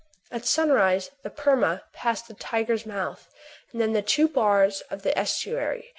At sunrise the "Perma" passed the Tiger's Mouth, and then the two bars of the estuary.